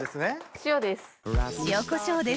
塩です。